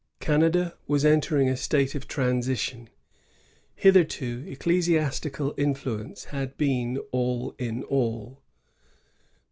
Canada was entering a state of transition. Hitherto ecclesiastical influence had been all in all.